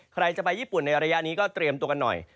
ใครจะไปญี่ปุ่นในระยะนี้ก็เตรียมตัวกันหน่อย